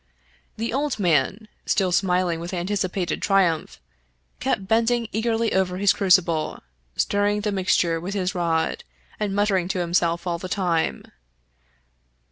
The old man, still smiling with anticipated triumph, kept bending eagerly over his crucible, stirring the mixture with his rod, and muttering to himself all the time.